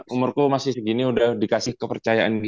umurku masih segini udah dikasih kepercayaan diri